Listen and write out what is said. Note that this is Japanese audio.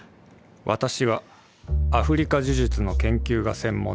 「私はアフリカ呪術の研究が専門の大学教授。